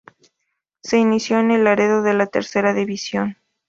Se inició en el Laredo en la Tercera División.